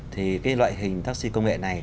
thì loại hình taxi công nghệ này